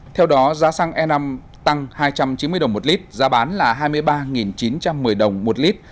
theo đó giá xăng e năm tăng hai trăm chín mươi đồng một lít giá bán là hai mươi ba chín trăm một mươi đồng một lít